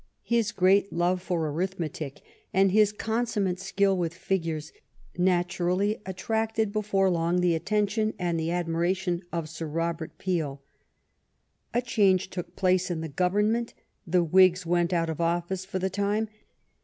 His great love for arithme tic and his consummate skill with figures natu rally attracted before long the attention and the admiration of Sir Robert Peel. A change took place in the government. The Whigs went out of office for the time.